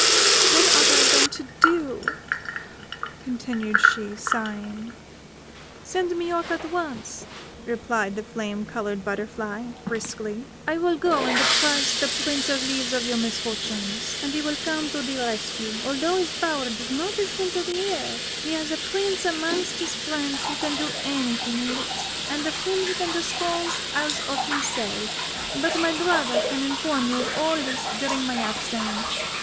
What ought I, then, to do?" continued she, sighing. "Send me off at once," replied the flame coloured butterfly, briskly; "I will go and apprise the Prince of Leaves of your misfortunes, and he will come to the rescue: although his power does not extend to the air, he has a prince amongst his friends who can do anything in it, and of whom he can dispose as of himself but my brother can inform you of all this during my absence.